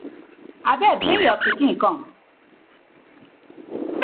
I beg bring yo pikin kom.